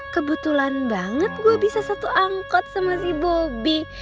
kebetulan banget gue bisa satu angkot sama si bobi